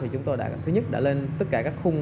thì chúng tôi thứ nhất đã lên tất cả các khung